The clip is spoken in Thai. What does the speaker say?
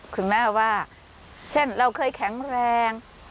คุณแม่ว่าเช่นเราเคยแข็งแรง